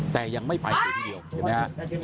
แต่ยังไม่ไปกันที่เดียวเห็นมั้ยฮะ